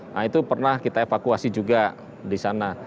nah itu pernah kita evakuasi juga di sana